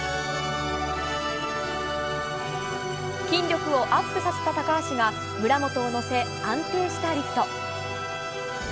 筋力をアップさせた高橋が村元を乗せ、安定したリフト。